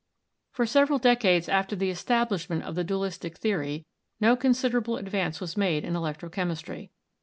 For several decades after the establishment of the dualistic theory no considerable advance was made in electrochemistry.